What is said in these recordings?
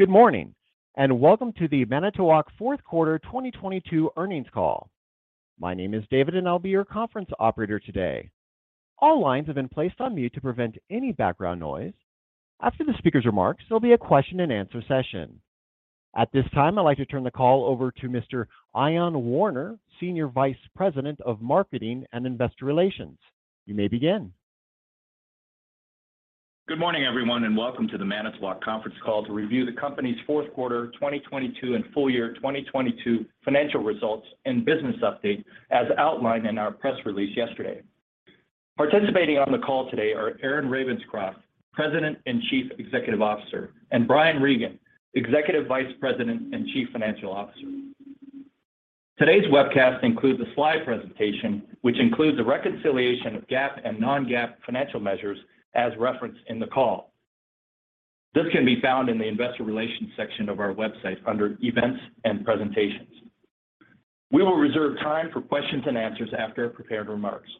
Good morning. Welcome to the Manitowoc fourth quarter 2022 earnings call. My name is David. I'll be your conference operator today. All lines have been placed on mute to prevent any background noise. After the speaker's remarks, there'll be a question-and-answer session. At this time, I'd like to turn the call over to Mr. Ion Warner, Senior Vice President of Marketing and Investor Relations. You may begin. Good morning, everyone, welcome to the Manitowoc conference call to review the company's fourth quarter 2022 and full year 2022 financial results and business update as outlined in our press release yesterday. Participating on the call today are Aaron Ravenscroft, President and Chief Executive Officer, and Brian Regan, Executive Vice President and Chief Financial Officer. Today's webcast includes a slide presentation which includes a reconciliation of GAAP and non-GAAP financial measures as referenced in the call. This can be found in the investor relations section of our website under events and presentations. We will reserve time for questions and answers after prepared remarks.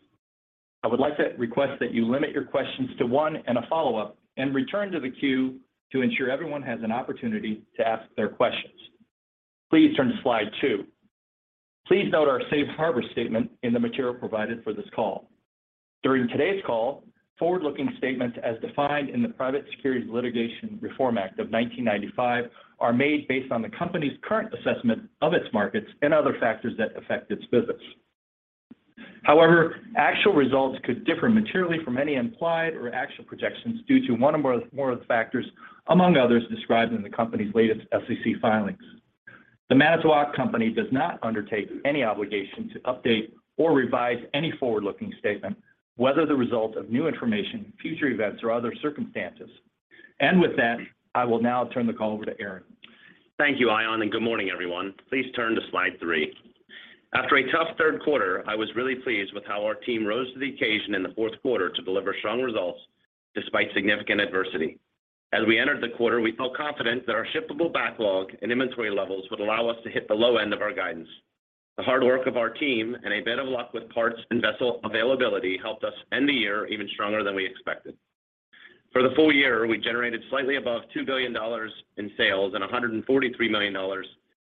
I would like to request that you limit your questions to one and a follow-up and return to the queue to ensure everyone has an opportunity to ask their questions. Please turn to slide 2. Please note our safe harbor statement in the material provided for this call. During today's call, forward-looking statements as defined in the Private Securities Litigation Reform Act of 1995 are made based on the Company's current assessment of its markets and other factors that affect its business. However, actual results could differ materially from any implied or actual projections due to one or more of the factors among others described in the Company's latest SEC filings. The Manitowoc Company does not undertake any obligation to update or revise any forward-looking statement, whether the result of new information, future events or other circumstances. With that, I will now turn the call over to Aaron. Thank you, Ion, and good morning, everyone. Please turn to slide 3. After a tough third quarter, I was really pleased with how our team rose to the occasion in the fourth quarter to deliver strong results despite significant adversity. As we entered the quarter, we felt confident that our shippable backlog and inventory levels would allow us to hit the low end of our guidance. The hard work of our team and a bit of luck with parts and vessel availability helped us end the year even stronger than we expected. For the full year, we generated slightly above $2 billion in sales and $143 million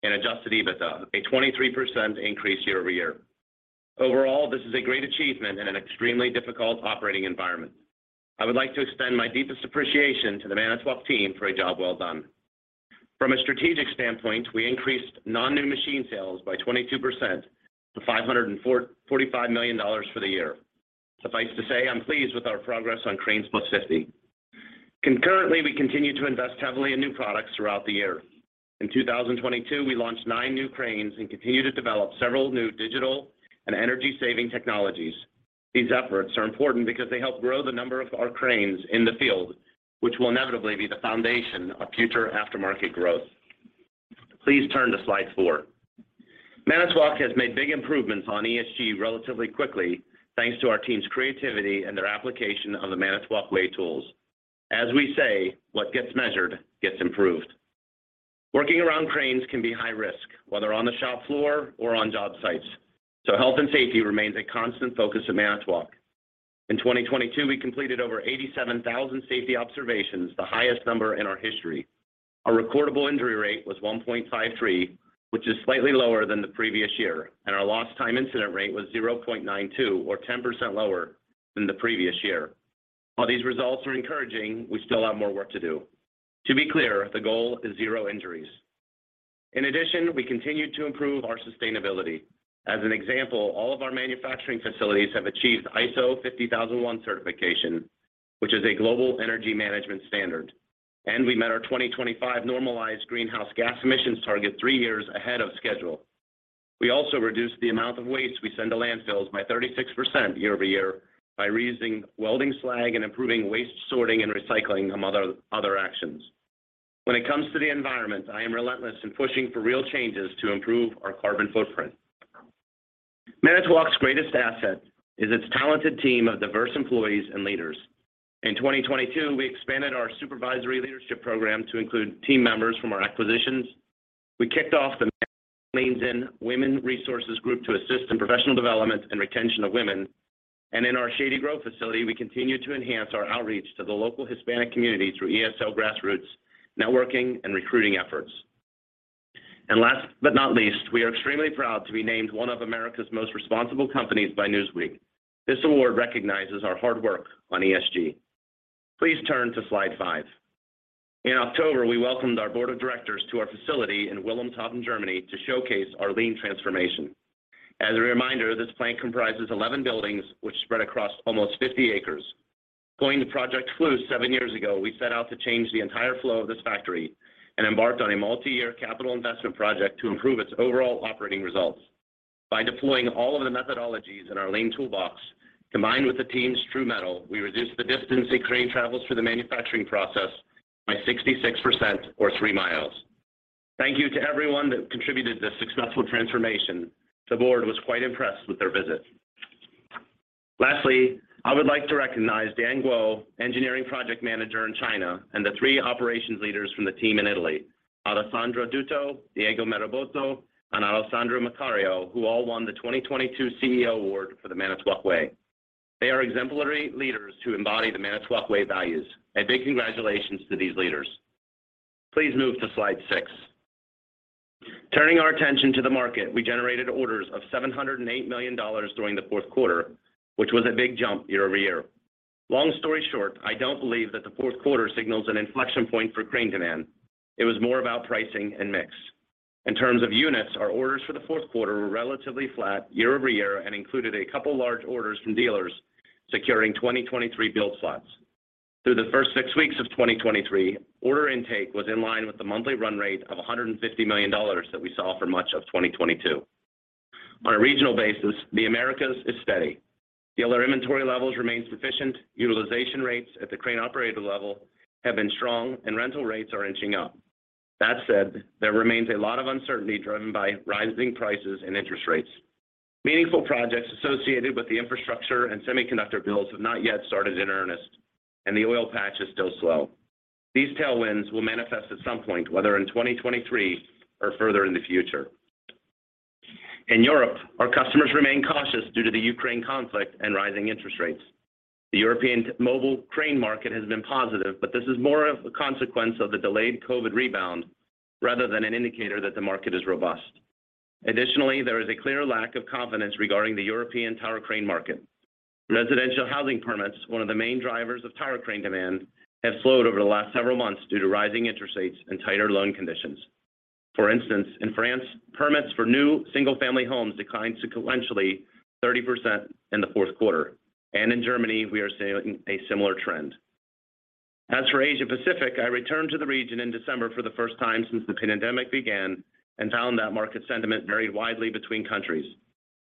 in adjusted EBITDA, a 23% increase year-over-year. Overall, this is a great achievement in an extremely difficult operating environment. I would like to extend my deepest appreciation to the Manitowoc team for a job well done. From a strategic standpoint, we increased non-new machine sales by 22% to $545 million for the year. Suffice to say I'm pleased with our progress on [cranes safety]. Concurrently, we continue to invest heavily in new products throughout the year. In 2022, we launched nine new cranes and continue to develop several new digital and energy-saving technologies. These efforts are important because they help grow the number of our cranes in the field, which will inevitably be the foundation of future aftermarket growth. Please turn to slide 4. Manitowoc has made big improvements on ESG relatively quickly, thanks to our team's creativity and their application of The Manitowoc Way tools. As we say, what gets measured gets improved. Working around cranes can be high risk, whether on the shop floor or on job sites, so health and safety remains a constant focus of Manitowoc. In 2022, we completed over 87,000 safety observations, the highest number in our history. Our recordable injury rate was 1.53, which is slightly lower than the previous year, and our lost time incident rate was 0.92 or 10% lower than the previous year. While these results are encouraging, we still have more work to do. To be clear, the goal is zero injuries. In addition, we continued to improve our sustainability. As an example, all of our manufacturing facilities have achieved ISO 50001 certification, which is a global energy management standard, and we met our 2025 normalized greenhouse gas emissions target three years ahead of schedule. We also reduced the amount of waste we send to landfills by 36% year-over-year by reusing welding slag and improving waste sorting and recycling, among other actions. When it comes to the environment, I am relentless in pushing for real changes to improve our carbon footprint. Manitowoc's greatest asset is its talented team of diverse employees and leaders. In 2022, we expanded our supervisory leadership program to include team members from our acquisitions. We kicked off the Women Resources Group to assist in professional development and retention of women. In our Shady Grove facility, we continue to enhance our outreach to the local Hispanic community through ESL grassroots networking and recruiting efforts. Last but not least, we are extremely proud to be named one of America's most responsible companies by Newsweek. This award recognizes our hard work on ESG. Please turn to slide 5. In October, we welcomed our board of directors to our facility in Wilhelmshaven, Germany to showcase our lean transformation. As a reminder, this plant comprises 11 buildings which spread across almost 50 acres. Going to Project Flow seven years ago, we set out to change the entire flow of this factory and embarked on a multi-year capital investment project to improve its overall operating results. By deploying all of the methodologies in our lean toolbox, combined with the team's true mettle, we reduced the distance a crane travels through the manufacturing process by 66% or 3 miles. Thank you to everyone that contributed to this successful transformation. The board was quite impressed with their visit. Lastly, I would like to recognize Dan Guo, Engineering Project Manager in China, and the three operations leaders from the team in Italy, Alessandro Dinoto, Diego Marabotto, and Alessandro Macario, who all won the 2022 CEO Award for The Manitowoc Way. They are exemplary leaders who embody The Manitowoc Way values. A big congratulations to these leaders. Please move to slide 6. Turning our attention to the market, we generated orders of $708 million during the fourth quarter, which was a big jump year-over-year. Long story short, I don't believe that the fourth quarter signals an inflection point for crane demand. It was more about pricing and mix. In terms of units, our orders for the fourth quarter were relatively flat year-over-year and included a couple large orders from dealers securing 2023 build slots. Through the first six weeks of 2023, order intake was in line with the monthly run rate of $150 million that we saw for much of 2022. On a regional basis, the Americas is steady. Dealer inventory levels remain sufficient, utilization rates at the crane operator level have been strong, and rental rates are inching up. That said, there remains a lot of uncertainty driven by rising prices and interest rates. Meaningful projects associated with the infrastructure and semiconductor bills have not yet started in earnest, and the oil patch is still slow. These tailwinds will manifest at some point, whether in 2023 or further in the future. In Europe, our customers remain cautious due to the Ukraine conflict and rising interest rates. The European mobile crane market has been positive, but this is more of a consequence of the delayed COVID rebound rather than an indicator that the market is robust. Additionally, there is a clear lack of confidence regarding the European tower crane market. Residential housing permits, one of the main drivers of tower crane demand, have slowed over the last several months due to rising interest rates and tighter loan conditions. For instance, in France, permits for new single-family homes declined sequentially 30% in the fourth quarter. In Germany, we are seeing a similar trend. As for Asia Pacific, I returned to the region in December for the first time since the pandemic began and found that market sentiment varied widely between countries.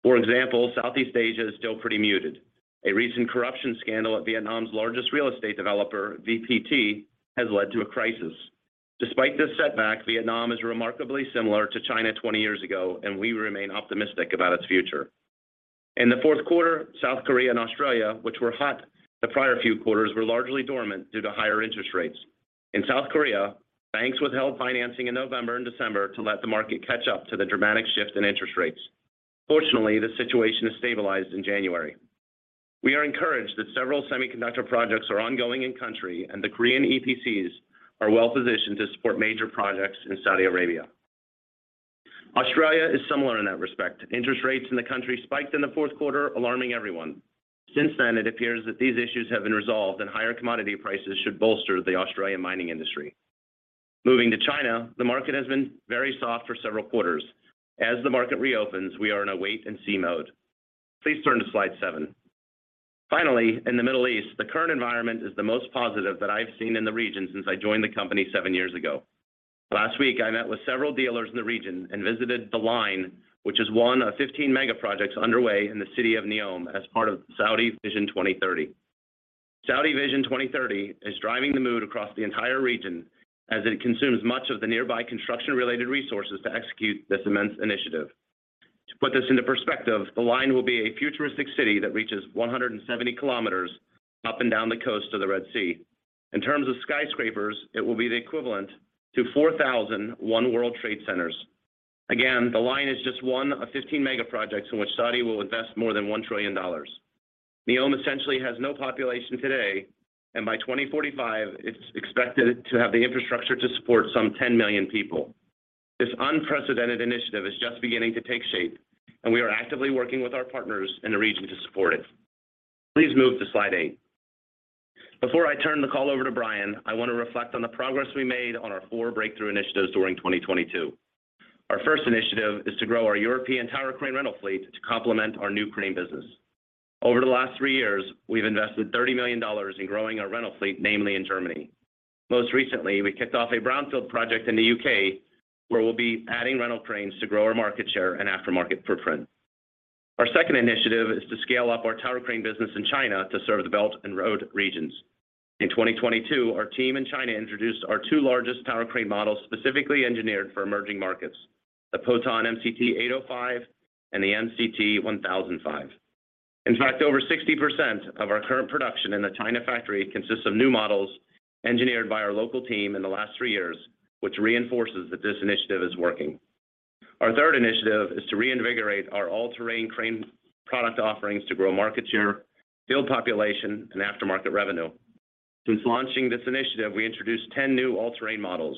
For example, Southeast Asia is still pretty muted. A recent corruption scandal at Vietnam's largest real estate developer, VTP, has led to a crisis. Despite this setback, Vietnam is remarkably similar to China 20 years ago, and we remain optimistic about its future. In the fourth quarter, South Korea and Australia, which were hot the prior few quarters, were largely dormant due to higher interest rates. In South Korea, banks withheld financing in November and December to let the market catch up to the dramatic shift in interest rates. Fortunately, the situation has stabilized in January. We are encouraged that several semiconductor projects are ongoing in-country, and the Korean EPCs are well-positioned to support major projects in Saudi Arabia. Australia is similar in that respect. Interest rates in the country spiked in the fourth quarter, alarming everyone. Since then, it appears that these issues have been resolved and higher commodity prices should bolster the Australian mining industry. Moving to China, the market has been very soft for several quarters. As the market reopens, we are in a wait-and-see mode. Please turn to slide 7. Finally, in the Middle East, the current environment is the most positive that I've seen in the region since I joined the company seven years ago. Last week, I met with several dealers in the region and visited The Line, which is one of 15 mega projects underway in the city of Neom as part of Saudi Vision 2030. Saudi Vision 2030 is driving the mood across the entire region as it consumes much of the nearby construction-related resources to execute this immense initiative. To put this into perspective, The Line will be a futuristic city that reaches 170 km up and down the coast of the Red Sea. In terms of skyscrapers, it will be the equivalent to 4,000 One World Trade Centers. The Line is just one of 15 mega projects in which Saudi will invest more than $1 trillion. Neom essentially has no population today, and by 2045, it's expected to have the infrastructure to support some 10 million people. This unprecedented initiative is just beginning to take shape, and we are actively working with our partners in the region to support it. Please move to slide 8. Before I turn the call over to Brian, I want to reflect on the progress we made on our four breakthrough initiatives during 2022. Our first initiative is to grow our European tower crane rental fleet to complement our new crane business. Over the last three years, we've invested $30 million in growing our rental fleet, namely in Germany. Most recently, we kicked off a brownfield project in the U.K. where we'll be adding rental cranes to grow our market share and aftermarket footprint. Our second initiative is to scale up our tower crane business in China to serve the Belt and Road regions. In 2022, our team in China introduced our two largest tower crane models specifically engineered for emerging markets, the Potain MCT 805 and the MCT 1005. In fact, over 60% of our current production in the China factory consists of new models engineered by our local team in the last three years, which reinforces that this initiative is working. Our third initiative is to reinvigorate our all-terrain crane product offerings to grow market share, build population, and aftermarket revenue. Since launching this initiative, we introduced 10 new all-terrain models.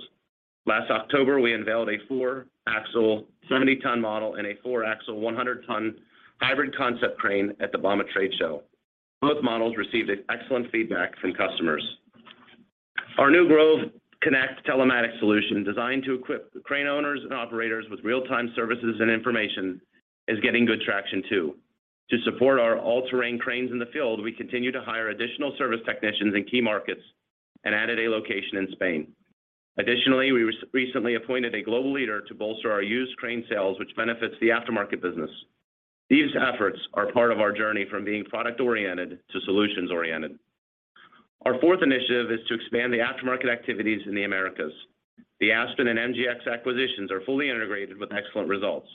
Last October, we unveiled a four-axle 70-ton model and a four-axle 100-ton hybrid concept crane at the Bauma trade show. Both models received excellent feedback from customers. Our new Grove Connect telematics solution, designed to equip crane owners and operators with real-time services and information, is getting good traction too. To support our all-terrain cranes in the field, we continue to hire additional service technicians in key markets and added a location in Spain. Additionally, we recently appointed a global leader to bolster our used crane sales, which benefits the aftermarket business. These efforts are part of our journey from being product-oriented to solutions-oriented. Our fourth initiative is to expand the aftermarket activities in the Americas. The Aspen and MGX acquisitions are fully integrated with excellent results.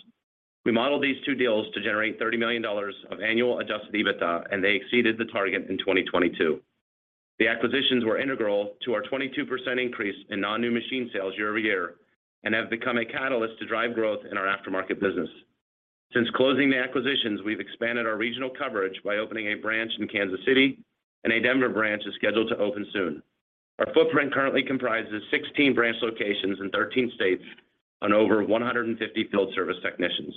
We modeled these two deals to generate $30 million of annual adjusted EBITDA, and they exceeded the target in 2022. The acquisitions were integral to our 22% increase in non-new machine sales year-over-year, and have become a catalyst to drive growth in our aftermarket business. Since closing the acquisitions, we've expanded our regional coverage by opening a branch in Kansas City, and a Denver branch is scheduled to open soon. Our footprint currently comprises 16 branch locations in 13 states and over 150 field service technicians.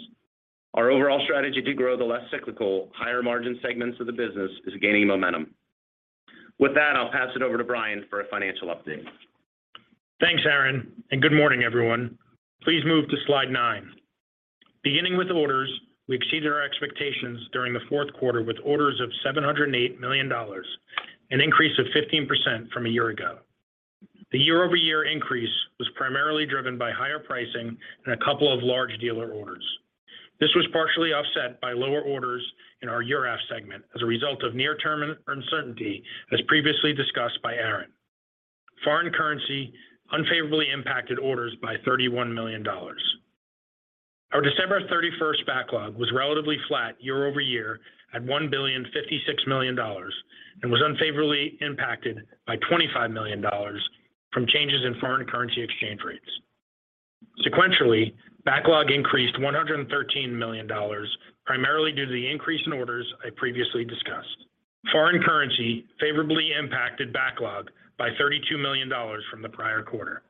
Our overall strategy to grow the less cyclical, higher margin segments of the business is gaining momentum. With that, I'll pass it over to Brian for a financial update. Thanks, Aaron. Good morning, everyone. Please move to slide nine. Beginning with orders, we exceeded our expectations during the fourth quarter with orders of $708 million, an increase of 15% from a year ago. The year-over-year increase was primarily driven by higher pricing and a couple of large dealer orders. This was partially offset by lower orders in our EURAF segment as a result of near-term uncertainty, as previously discussed by Aaron. Foreign currency unfavorably impacted orders by $31 million. Our December 31st, backlog was relatively flat year-over-year at $1.056 billion, and was unfavorably impacted by $25 million from changes in foreign currency exchange rates. Sequentially, backlog increased $113 million, primarily due to the increase in orders I previously discussed. Foreign currency favorably impacted backlog by $32 million from the prior quarter.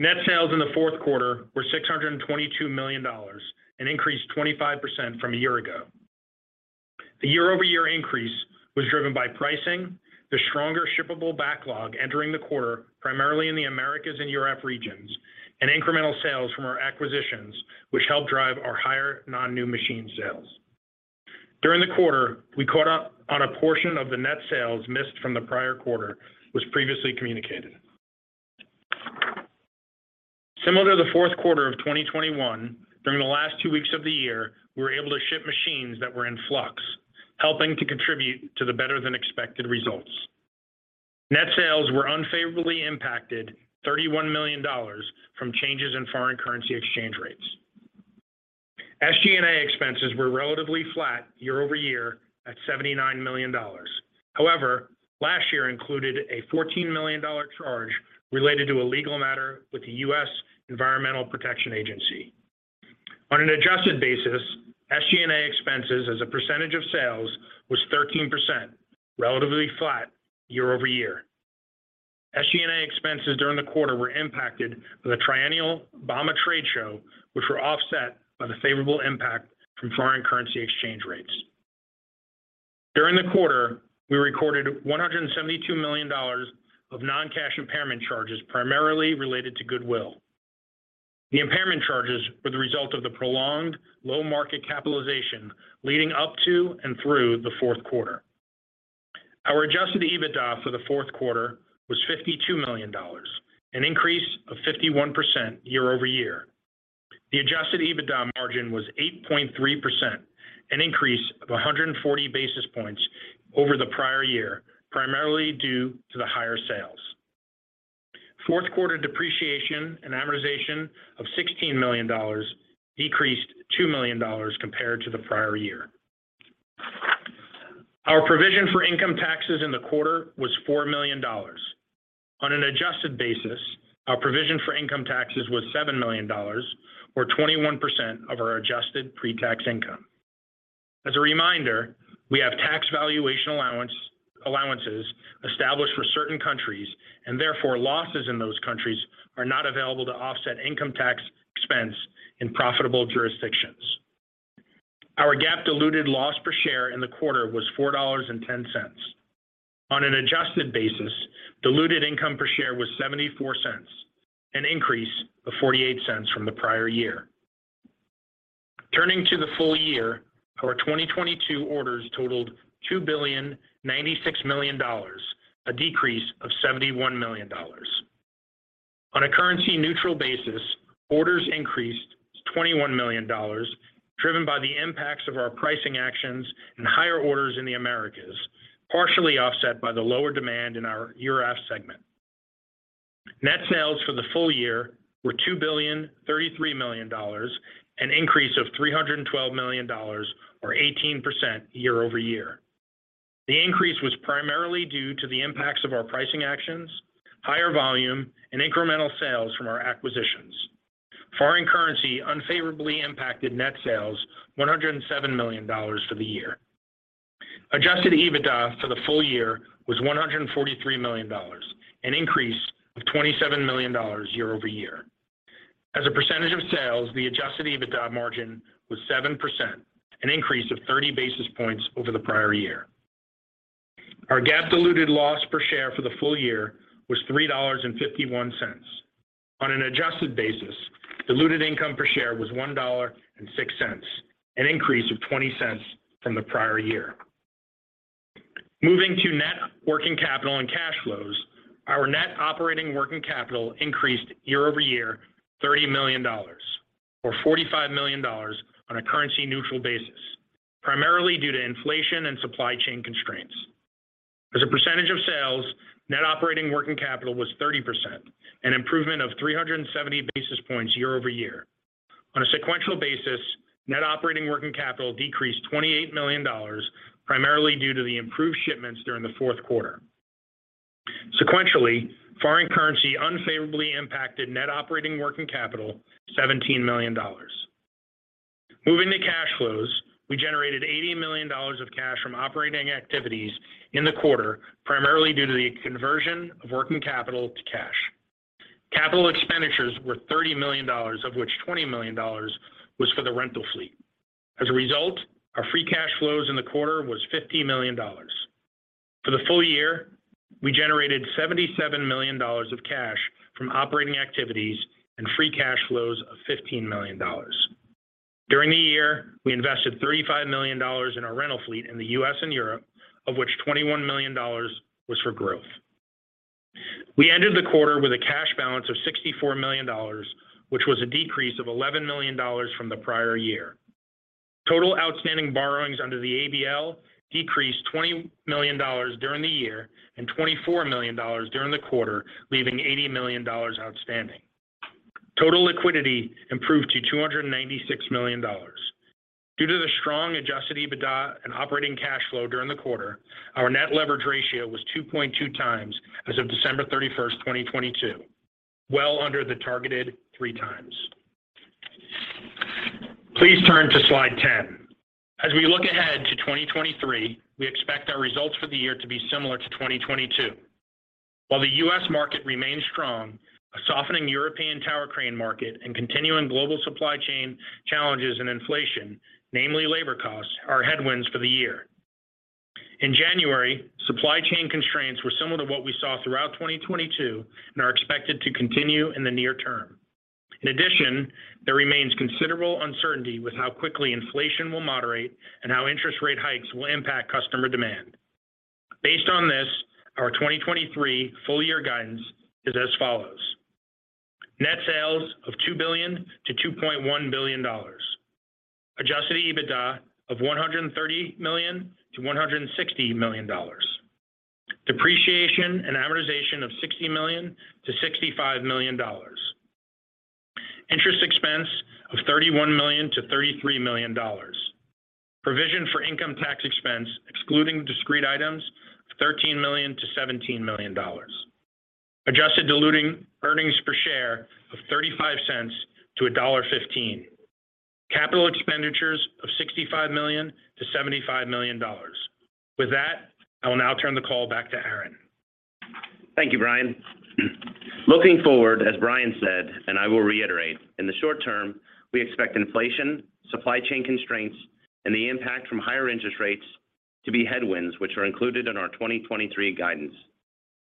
Net sales in the fourth quarter were $622 million, an increase of 25% from a year ago. The year-over-year increase was driven by pricing, the stronger shippable backlog entering the quarter, primarily in the Americas and EURAF regions, and incremental sales from our acquisitions, which helped drive our higher non-new machine sales. During the quarter, we caught up on a portion of the net sales missed from the prior quarter, was previously communicated. Similar to the fourth quarter of 2021, during the last two weeks of the year, we were able to ship machines that were in flux, helping to contribute to the better-than-expected results. Net sales were unfavorably impacted $31 million from changes in foreign currency exchange rates. SG&A expenses were relatively flat year-over-year at $79 million. However, last year included a $14 million charge related to a legal matter with the U.S. Environmental Protection Agency. On an adjusted basis, SG&A expenses as a percentage of sales was 13%, relatively flat year-over-year. SG&A expenses during the quarter were impacted with a triennial Bauma trade show, which were offset by the favorable impact from foreign currency exchange rates. During the quarter, we recorded $172 million of non-cash impairment charges, primarily related to goodwill. The impairment charges were the result of the prolonged low market capitalization leading up to and through the fourth quarter. Our adjusted EBITDA for the fourth quarter was $52 million, an increase of 51% year-over-year. The adjusted EBITDA margin was 8.3%, an increase of 140 basis points over the prior year, primarily due to the higher sales. Fourth quarter depreciation and amortization of $16 million decreased $2 million compared to the prior year. Our provision for income taxes in the quarter was $4 million. On an adjusted basis, our provision for income taxes was $7 million or 21% of our adjusted pre-tax income. As a reminder, we have tax valuation allowance, allowances established for certain countries, and therefore, losses in those countries are not available to offset income tax expense in profitable jurisdictions. Our GAAP diluted loss per share in the quarter was $4.10. On an adjusted basis, diluted income per share was $0.74, an increase of $0.48 from the prior year. Turning to the full year, our 2022 orders totaled $2.096 billion, a decrease of $71 million. On a currency-neutral basis, orders increased $21 million, driven by the impacts of our pricing actions and higher orders in the Americas, partially offset by the lower demand in our EURAF segment. Net sales for the full year were $2.033 billion, an increase of $312 million or 18% year-over-year. The increase was primarily due to the impacts of our pricing actions, higher volume, and incremental sales from our acquisitions. Foreign currency unfavorably impacted net sales $107 million for the year. adjusted EBITDA for the full year was $143 million, an increase of $27 million year-over-year. As a percentage of sales, the adjusted EBITDA margin was 7%, an increase of 30 basis points over the prior year. Our GAAP diluted loss per share for the full year was $3.51. On an adjusted basis, diluted income per share was $1.06, an increase of $0.20 from the prior year. Moving to net working capital and cash flows, our net operating working capital increased year-over-year $30 million or $45 million on a currency-neutral basis, primarily due to inflation and supply chain constraints. As a percentage of sales, net operating working capital was 30%, an improvement of 370 basis points year-over-year. On a sequential basis, net operating working capital decreased $28 million, primarily due to the improved shipments during the fourth quarter. Sequentially, foreign currency unfavorably impacted net operating working capital $17 million. Moving to cash flows, we generated $80 million of cash from operating activities in the quarter, primarily due to the conversion of working capital to cash. Capital expenditures were $30 million, of which $20 million was for the rental fleet. As a result, our free cash flow in the quarter was $15 million. For the full year, we generated $77 million of cash from operating activities and free cash flow of $15 million. During the year, we invested $35 million in our rental fleet in the U.S. and Europe, of which $21 million was for growth. We ended the quarter with a cash balance of $64 million, which was a decrease of $11 million from the prior year. Total outstanding borrowings under the ABL decreased $20 million during the year and $24 million during the quarter, leaving $80 million outstanding. Total liquidity improved to $296 million. Due to the strong adjusted EBITDA and operating cash flow during the quarter, our net leverage ratio was 2.2x as of December 31st, 2022, well under the targeted 3x. Please turn to slide 10. As we look ahead to 2023, we expect our results for the year to be similar to 2022. While the U.S. market remains strong, a softening European tower crane market and continuing global supply chain challenges and inflation, namely labor costs, are headwinds for the year. In January, supply chain constraints were similar to what we saw throughout 2022 and are expected to continue in the near-term. In addition, there remains considerable uncertainty with how quickly inflation will moderate and how interest rate hikes will impact customer demand. Based on this, our 2023 full year guidance is as follows: Net sales of $2 billion-$2.1 billion. adjusted EBITDA of $130 million-$160 million. Depreciation and amortization of $60 million-$65 million. Interest expense of $31 million-$33 million. Provision for income tax expense, excluding discrete items, of $13 million-$17 million. Adjusted diluted earnings per share of $0.35-$1.15. Capital expenditures of $65 million-$75 million. With that, I will now turn the call back to Aaron. Thank you, Brian. Looking forward, as Brian said, and I will reiterate, in the short-term, we expect inflation, supply chain constraints, and the impact from higher interest rates to be headwinds, which are included in our 2023 guidance.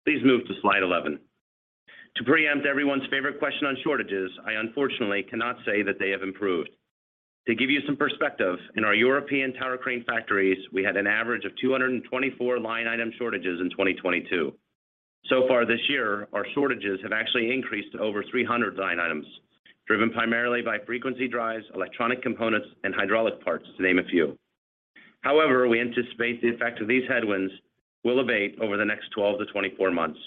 Please move to slide 11. To preempt everyone's favorite question on shortages, I unfortunately cannot say that they have improved. To give you some perspective, in our European tower crane factories, we had an average of 224 line item shortages in 2022. So far this year, our shortages have actually increased to over 300 line items, driven primarily by frequency drives, electronic components, and hydraulic parts, to name a few. However, we anticipate the effect of these headwinds will abate over the next 12-24 months.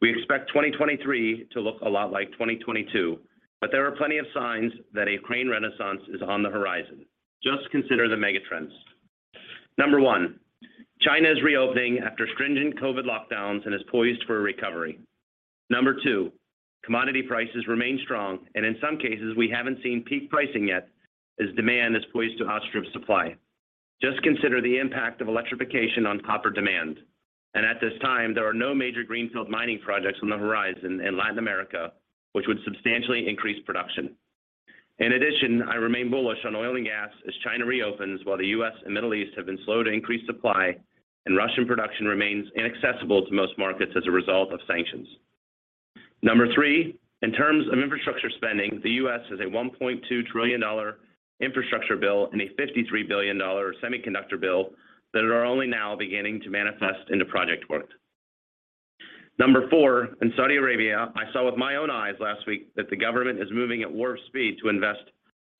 We expect 2023 to look a lot like 2022, but there are plenty of signs that a crane renaissance is on the horizon. Just consider the megatrends. Number one, China is reopening after stringent COVID lockdowns and is poised for a recovery. Number two, commodity prices remain strong, and in some cases we haven't seen peak pricing yet as demand is poised to outstrip supply. Just consider the impact of electrification on copper demand. At this time, there are no major greenfield mining projects on the horizon in Latin America, which would substantially increase production. In addition, I remain bullish on oil and gas as China reopens, while the U.S. and Middle East have been slow to increase supply, and Russian production remains inaccessible to most markets as a result of sanctions. Number three, in terms of infrastructure spending, the U.S. has a $1.2 trillion infrastructure bill and a $53 billion semiconductor bill that are only now beginning to manifest into project work. Number four, in Saudi Arabia, I saw with my own eyes last week that the government is moving at warp speed to invest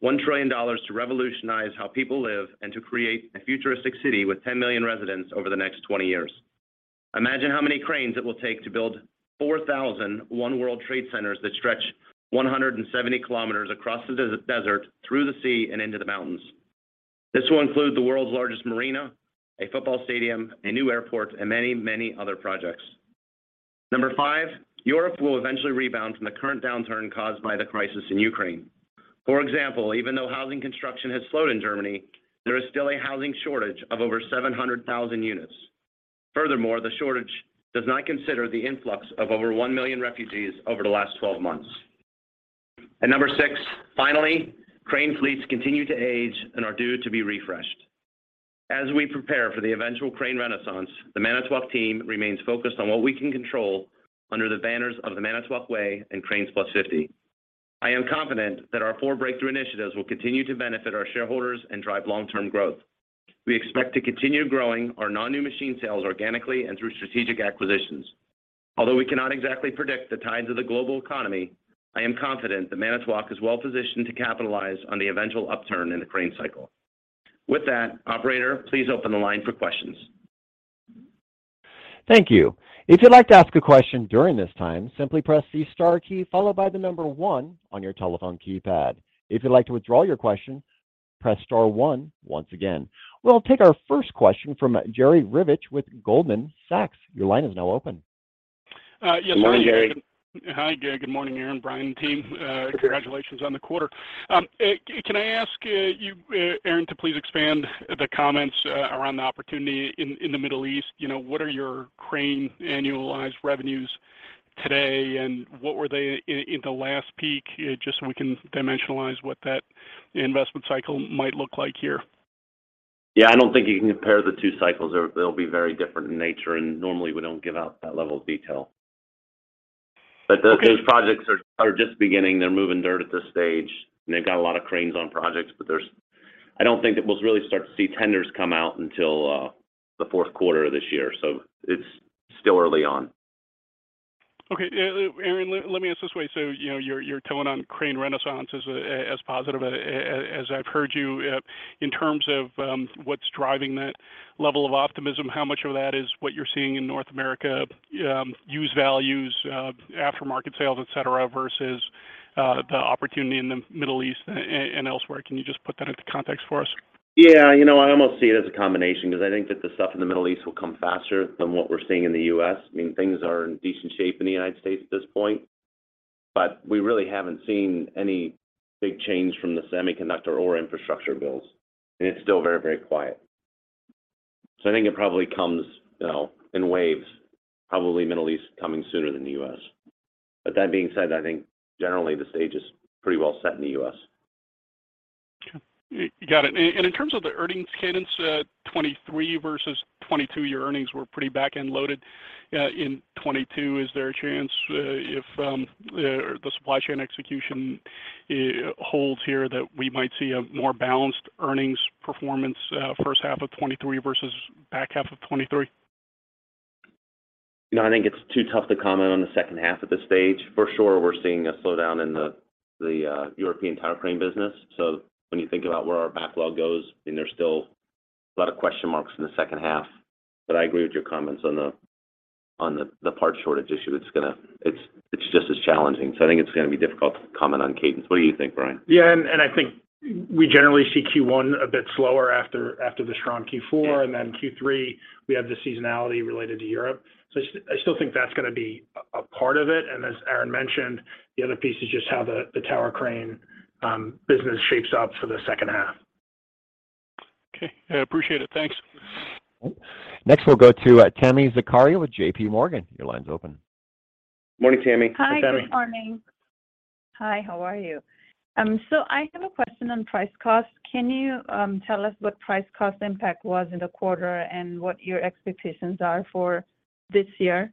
$1 trillion to revolutionize how people live and to create a futuristic city with 10 million residents over the next 20 years. Imagine how many cranes it will take to build 4,001 World Trade Centers that stretch 170 km across the desert, through the sea, and into the mountains. This will include the world's largest marina, a football stadium, a new airport, and many, many other projects. Number five, Europe will eventually rebound from the current downturn caused by the crisis in Ukraine. For example, even though housing construction has slowed in Germany, there is still a housing shortage of over 700,000 units. Furthermore, the shortage does not consider the influx of over 1 million refugees over the last 12 months. Number six, finally, crane fleets continue to age and are due to be refreshed. As we prepare for the eventual crane renaissance, the Manitowoc team remains focused on what we can control under the banners of The Manitowoc Way and CRANES+50. I am confident that our four breakthrough initiatives will continue to benefit our shareholders and drive long-term growth. We expect to continue growing our non-new machine sales organically and through strategic acquisitions. Although we cannot exactly predict the tides of the global economy, I am confident that Manitowoc is well-positioned to capitalize on the eventual upturn in the crane cycle. With that, operator, please open the line for questions. Thank you. If you'd like to ask a question during this time, simply press the star key followed by the one on your telephone keypad. If you'd like to withdraw your question, press star-one once again. We'll take our first question from Jerry Revich with Goldman Sachs. Your line is now open. Good morning, Jerry. Hi, good morning, Aaron, Brian team. Congratulations on the quarter. Can I ask you, Aaron, to please expand the comments around the opportunity in the Middle East? You know, what are your crane annualized revenues today, and what were they in the last peak? Just so we can dimensionalize what that investment cycle might look like here. Yeah. I don't think you can compare the two cycles. They'll be very different in nature, and normally we don't give out that level of detail. Those projects are just beginning. They're moving dirt at this stage, and they've got a lot of cranes on projects. I don't think that we'll really start to see tenders come out until the fourth quarter of this year, so it's still early on. Okay. Aaron, let me ask this way. You know, your tone on crane renaissance is as positive as I've heard you. In terms of what's driving that level of optimism, how much of that is what you're seeing in North America, used values, aftermarket sales, etc., versus the opportunity in the Middle East and elsewhere? Can you just put that into context for us? You know, I almost see it as a combination because I think that the stuff in the Middle East will come faster than what we're seeing in the U.S. I mean, things are in decent shape in the United States at this point, but we really haven't seen any big change from the semiconductor or infrastructure bills, and it's still very, very quiet. I think it probably comes, you know, in waves, probably Middle East coming sooner than the U.S. That being said, I think generally the stage is pretty well set in the U.S. Got it. In terms of the earnings cadence, 2023 versus 2022, your earnings were pretty back-end loaded, in 2022. Is there a chance, if, the supply chain execution holds here that we might see a more balanced earnings performance, first half of 2023 versus back half of 2023? No, I think it's too tough to comment on the second half at this stage. For sure, we're seeing a slowdown in the European tower crane business. When you think about where our backlog goes, I mean, there's still a lot of question marks in the second half. I agree with your comments on the part shortage issue. It's just as challenging. I think it's going to be difficult to comment on cadence. What do you think, Brian? Yeah. I think we generally see Q1 a bit slower after the strong Q4. Q3, we have the seasonality related to Europe. I still think that's going to be a part of it. As Aaron mentioned, the other piece is just how the tower crane business shapes up for the second half. Okay. I appreciate it. Thanks. Next, we'll go to Tami Zakaria with JP Morgan. Your line's open. Morning, Tami. Hi, good morning. Hi, how are you? I have a question on price cost. Can you tell us what price cost impact was in the quarter and what your expectations are for this year?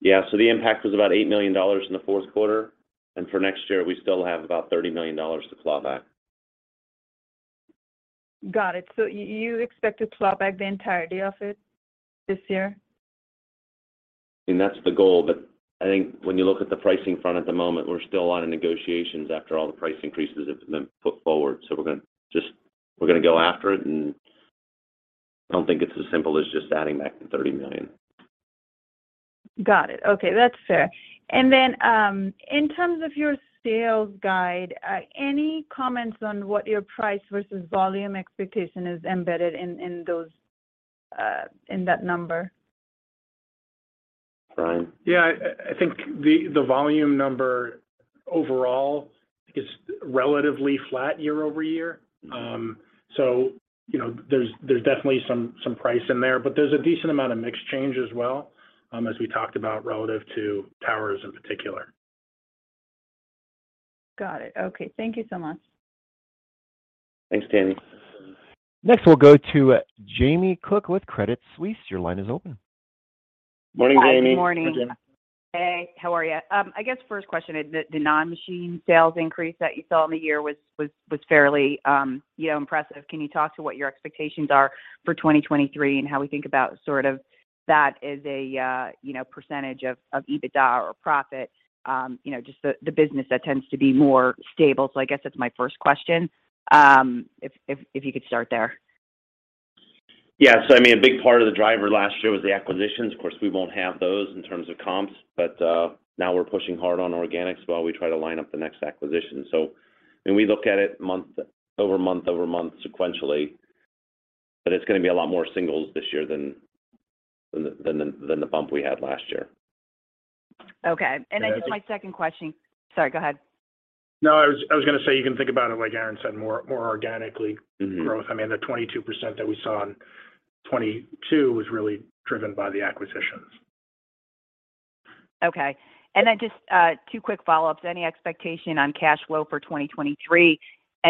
Yeah. The impact was about $8 million in the fourth quarter, and for next year, we still have about $30 million to claw back. Got it. You expect to claw back the entirety of it this year? I mean, that's the goal, I think when you look at the pricing front at the moment, we're still a lot in negotiations after all the price increases have been put forward. We're going to go after it, and I don't think it's as simple as just adding back the $30 million. Got it. Okay, that's fair. In terms of your sales guide, any comments on what your price versus volume expectation is embedded in that number? Brian? Yeah. I think the volume number overall is relatively flat year-over-year. You know, there's definitely some price in there, but there's a decent amount of mix change as well, as we talked about relative to towers in particular. Got it. Okay, thank you so much. Thanks, Tami. Next, we'll go to Jamie Cook with Credit Suisse. Your line is open. Morning, Jamie. Morning. Hey, how are you? I guess first question is the non-machine sales increase that you saw in the year was fairly, you know, impressive. Can you talk to what your expectations are for 2023 and how we think about sort of that as a, you know, percentage of EBITDA or profit? You know, just the business that tends to be more stable. I guess that's my first question, if you could start there. I mean, a big part of the driver last year was the acquisitions. Of course, we won't have those in terms of comps, now we're pushing hard on organics while we try to line up the next acquisition. When we look at it month-over-month sequentially, it's going to be a lot more singles this year than the bump we had last year. Okay. I guess my second question. Sorry, go ahead. No, I was going to say, you can think about it like Aaron said, more organically growth. I mean, the 22% that we saw in 2022 was really driven by the acquisitions. Okay. Then just two quick follow-ups. Any expectation on cash flow for 2023?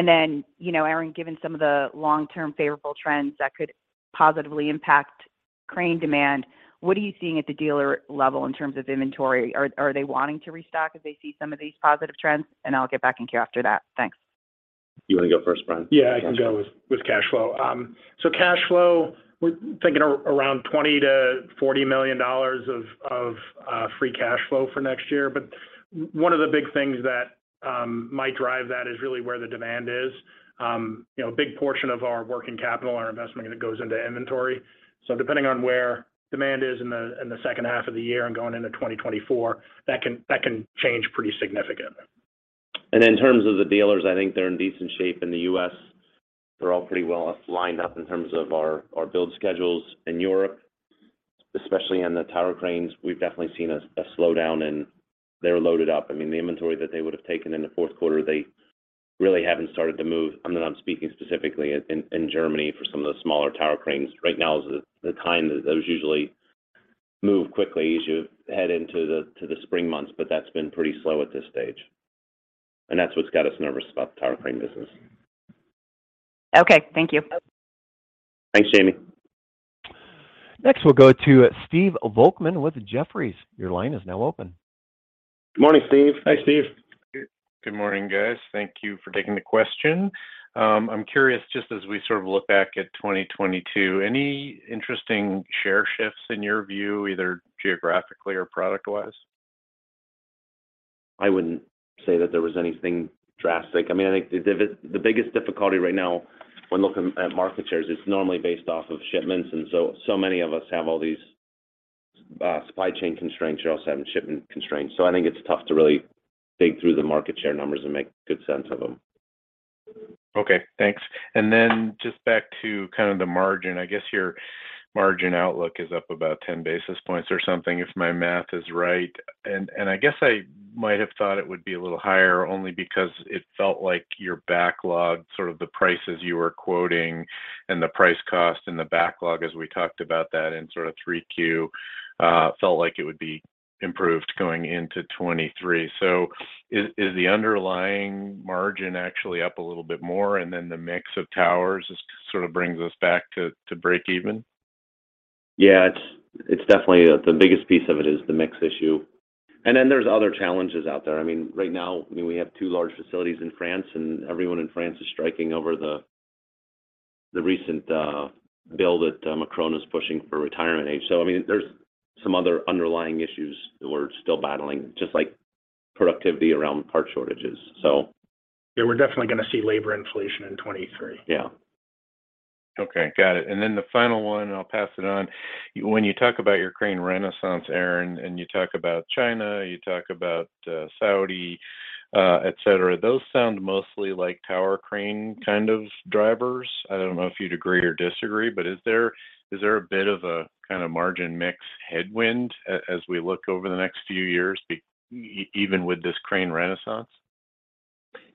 Then, you know, Aaron, given some of the long-term favorable trends that could positively impact crane demand, what are you seeing at the dealer level in terms of inventory? Are they wanting to restock if they see some of these positive trends? I'll get back in queue after that. Thanks. You want to go first, Brian? Yeah, I can go with cash flow. Cash flow, we're thinking around $20 million-$40 million of free cash flow for next year. One of the big things that might drive that is really where the demand is. You know, a big portion of our working capital, our investment, it goes into inventory. Depending on where demand is in the second half of the year and going into 2024, that can change pretty significantly. In terms of the dealers, I think they're in decent shape in the U.S. We're all pretty well lined up in terms of our build schedules. In Europe, especially in the tower cranes, we've definitely seen a slowdown and they're loaded up. I mean, the inventory that they would have taken in the fourth quarter, they really haven't started to move. I'm speaking specifically in Germany for some of the smaller tower cranes. Right now is the time that those usually move quickly as you head into the spring months. That's been pretty slow at this stage, and that's what's got us nervous about the tower crane business. Okay. Thank you. Thanks, Jamie. Next, we'll go to Stephen Volkmann with Jefferies. Your line is now open. Morning, Steve. Hi, Steve. Good morning, guys. Thank you for taking the question. I'm curious just as we sort of look back at 2022, any interesting share shifts in your view, either geographically or product-wise? I wouldn't say that there was anything drastic. I mean, I think the biggest difficulty right now when looking at market shares, it's normally based off of shipments and so many of us have all these supply chain constraints. You're also having shipment constraints. I think it's tough to really dig through the market share numbers and make good sense of them. Okay. Thanks. Just back to kind of the margin. I guess your margin outlook is up about 10 basis points or something, if my math is right. I guess I might have thought it would be a little higher only because it felt like your backlog, sort of the prices you were quoting and the price cost and the backlog as we talked about that in sort of 3Q, felt like it would be improved going into 2023. Is the underlying margin actually up a little bit more and then the mix of towers just sort of brings us back to breakeven? Yeah, it's definitely the biggest piece of it is the mix issue. There's other challenges out there. I mean, right now, I mean, we have two large facilities in France, everyone in France is striking over the recent bill that Macron is pushing for retirement age. I mean, there's some other underlying issues that we're still battling, just like productivity around part shortages. Yeah, we're definitely going to see labor inflation in 2023. Yeah. Okay. Got it. The final one, and I'll pass it on. When you talk about your crane renaissance, Aaron, and you talk about China, you talk about Saudi, etc., those sound mostly like tower crane kind of drivers. I don't know if you'd agree or disagree, is there a bit of a kind of margin mix headwind as we look over the next few years even with this crane renaissance?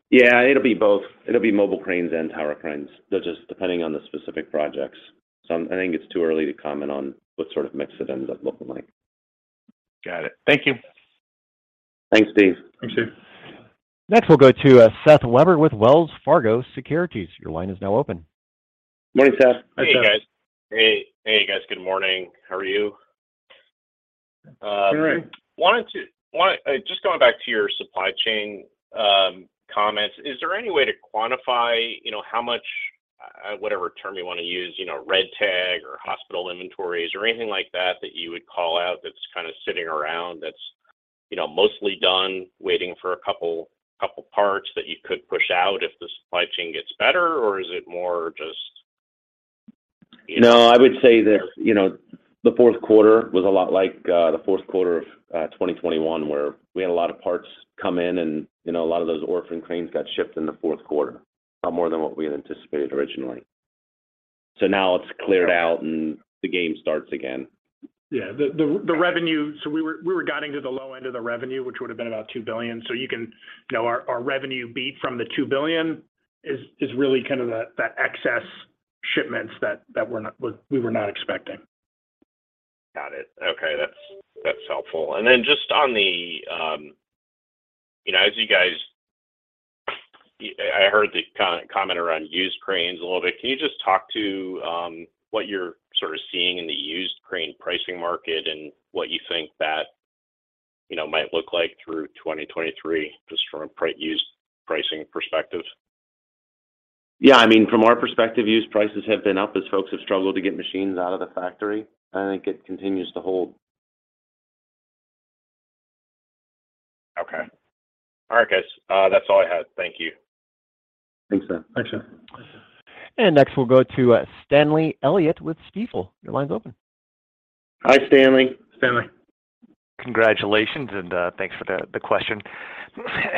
Yeah, it'll be both. It'll be mobile cranes and tower cranes. They're just depending on the specific projects. I think it's too early to comment on what sort of mix it ends up looking like. Got it. Thank you. Thanks, Steve. Thanks, Steve. Next, we'll go to Seth Weber with Wells Fargo Securities. Your line is now open. Morning, Seth. Hi, Seth. Hey, guys. Good morning. How are you? All right. Just going back to your supply chain comments. Is there any way to quantify, you know, how much, whatever term you want to use, you know, red tag or hospital inventories or anything like that you would call out that's kind of sitting around that's, you know, mostly done waiting for a couple parts that you could push out if the supply chain gets better? No, I would say that, you know, the fourth quarter was a lot like the fourth quarter of 2021, where we had a lot of parts come in and, you know, a lot of those orphan cranes got shipped in the fourth quarter, a lot more than what we had anticipated originally. Now it's cleared out and the game starts again. Yeah. We were guiding to the low end of the revenue, which would have been about $2 billion. You know, our revenue beat from the $2 billion is really kind of the excess shipments that we were not expecting. Got it. Okay. That's helpful. Just on the, you know, I heard the comment around used cranes a little bit. Can you just talk to, what you're sort of seeing in the used crane pricing market and what you think that, you know, might look like through 2023, just from a used pricing perspective? Yeah, I mean, from our perspective, used prices have been up as folks have struggled to get machines out of the factory. I think it continues to hold. Okay. All right, guys. That's all I had. Thank you. Thanks, Seth. Thanks, Seth. Next, we'll go to, Stanley Elliott with Stifel. Your line's open. Hi, Stanley. Stanley. Congratulations, thanks for the question.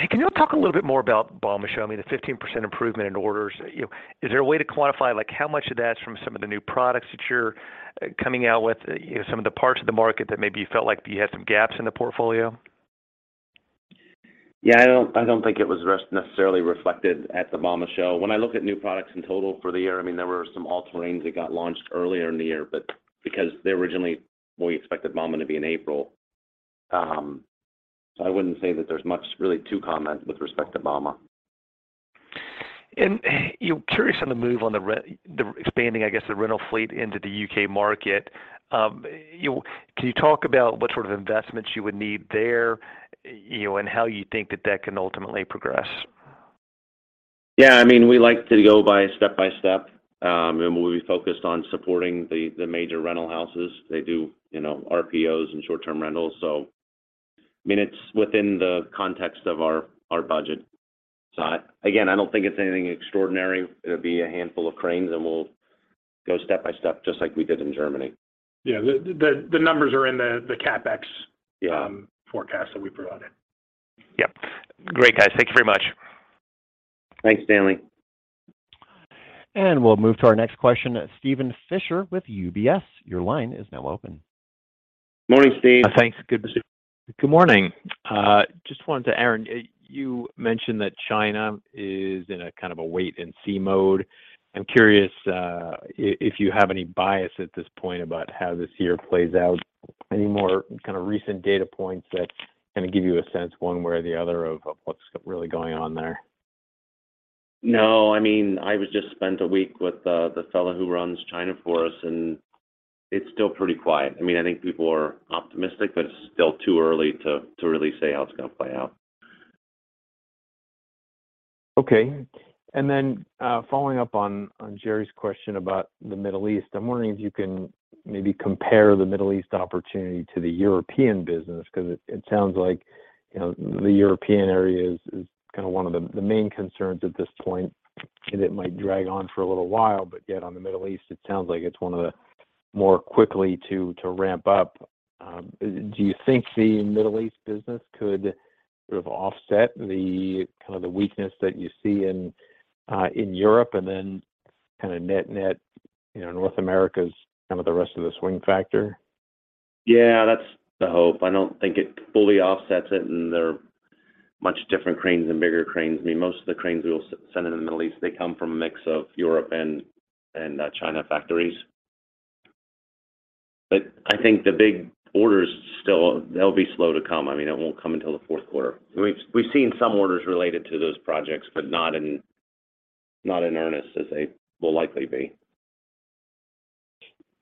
Can you talk a little bit more about Bauma Show? I mean, the 15% improvement in orders. You know, is there a way to quantify, like how much of that's from some of the new products that you're coming out with, you know, some of the parts of the market that maybe you felt like you had some gaps in the portfolio? I don't think it was necessarily reflected at the Bauma Show. When I look at new products in total for the year, I mean, there were some all-terrains that got launched earlier in the year, because they originally we expected Bauma to be in April. I wouldn't say that there's much really to comment with respect to Bauma. You know, curious on the move on the expanding, I guess, the rental fleet into the U.K. market. You know, can you talk about what sort of investments you would need there, you know, and how you think that that can ultimately progress? Yeah, I mean, we like to go by step by step, and we'll be focused on supporting the major rental houses. They do, you know, RPOs and short-term rentals. I mean, it's within the context of our budget. Again, I don't think it's anything extraordinary. It'll be a handful of cranes, and we'll go step by step, just like we did in Germany. Yeah. The numbers are in the CapEx forecast that we provided. Yep. Great, guys. Thank you very much. Thanks, Stanley. We'll move to our next question, Steven Fisher with UBS. Your line is now open. Morning, Steve. Thanks. Good morning. Aaron, you mentioned that China is in a kind of a wait-and-see mode. I'm curious, if you have any bias at this point about how this year plays out. Any more kind of recent data points that kind of give you a sense one way or the other of what's really going on there? No, I mean, I was just spent a week with the fellow who runs China for us, and it's still pretty quiet. I mean, I think people are optimistic, but it's still too early to really say how it's going to play out. Okay. Following up on Jerry's question about the Middle East, I'm wondering if you can maybe compare the Middle East opportunity to the European business, because it sounds like, you know, the European area is kind of one of the main concerns at this point, and it might drag on for a little while. On the Middle East, it sounds like it's one of the more quickly to ramp up. Do you think the Middle East business could sort of offset the kind of the weakness that you see in Europe and then kind of net-net, you know, North America's kind of the rest of the swing factor? Yeah, that's the hope. I don't think it fully offsets it, and they're much different cranes and bigger cranes. I mean, most of the cranes we'll send into the Middle East, they come from a mix of Europe and China factories. I think the big orders still, they'll be slow to come. I mean, it won't come until the fourth quarter. We've seen some orders related to those projects, but not in earnest as they will likely be.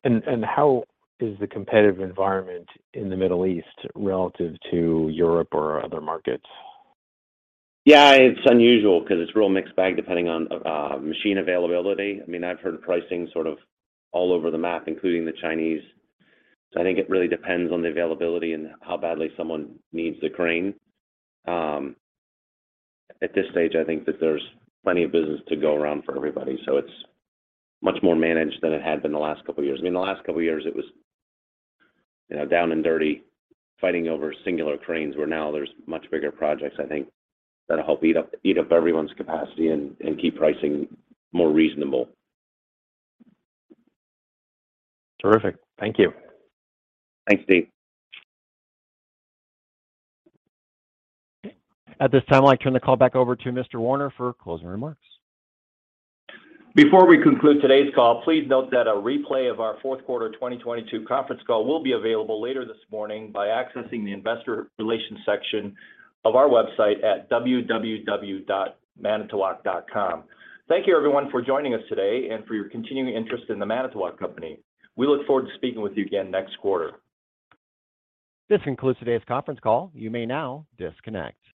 How is the competitive environment in the Middle East relative to Europe or other markets? Yeah, it's unusual because it's a real mixed bag depending on machine availability. I mean, I've heard pricing sort of all over the map, including the Chinese. I think it really depends on the availability and how badly someone needs the crane. At this stage I think that there's plenty of business to go around for everybody, it's much more managed than it had been the last couple of years. I mean, the last couple of years it was, you know, down and dirty fighting over singular cranes, where now there's much bigger projects, I think, that'll help eat up everyone's capacity and keep pricing more reasonable. Terrific. Thank you. Thanks, Steve. At this time, I'd like to turn the call back over to Mr. Warner for closing remarks. Before we conclude today's call, please note that a replay of our fourth quarter 2022 conference call will be available later this morning by accessing the investor relations section of our website at www.manitowoc.com. Thank you everyone for joining us today and for your continuing interest in The Manitowoc Company. We look forward to speaking with you again next quarter. This concludes today's conference call. You may now disconnect.